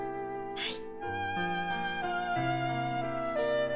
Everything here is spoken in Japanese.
はい。